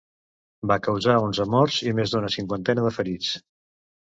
Va causar onze morts i més d’una cinquantena de ferits.